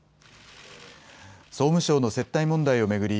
総務省の接待問題を巡り